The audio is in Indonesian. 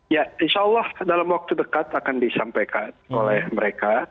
ya insya allah dalam waktu dekat akan disampaikan oleh mereka